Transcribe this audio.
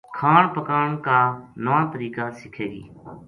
کھان پکان کا نُوا طریقہ سِکھے گی